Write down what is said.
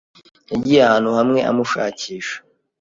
Yagiye ahantu hamwe amushakisha.